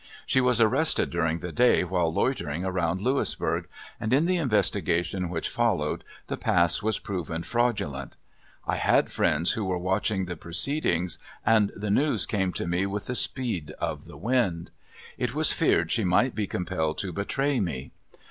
She was arrested during the day while loitering around Louisburg; and in the investigation which followed the pass was proven fraudulent. I had friends who were watching the proceedings, and the news came to me with the speed of the wind. It was feared she might be compelled to betray me.